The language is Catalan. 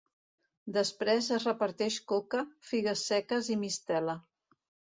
Després es reparteix coca, figues seques i mistela.